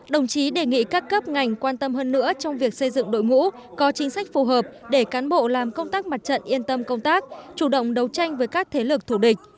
đồng chí đề nghị các cấp ngành quan tâm hơn nữa trong việc xây dựng đội ngũ có chính sách phù hợp để cán bộ làm công tác mặt trận yên tâm công tác chủ động đấu tranh với các thế lực thủ địch